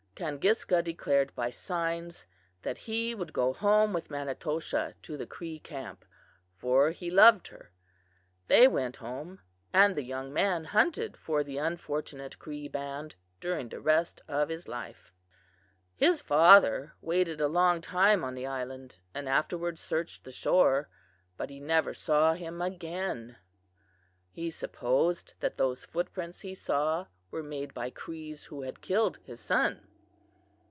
"Kangiska declared by signs that he would go home with Manitoshaw to the Cree camp, for he loved her. They went home, and the young man hunted for the unfortunate Cree band during the rest of his life. "His father waited a long time on the island and afterward searched the shore, but never saw him again. He supposed that those footprints he saw were made by Crees who had killed his son."